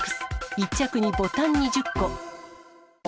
１着にボタン２０個。